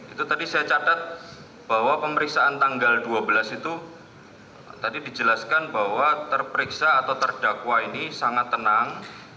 itu tadi saya catat bahwa pemeriksaan tanggal dua belas itu tadi dijelaskan bahwa terperiksa atau terdakwa ini sangat tenang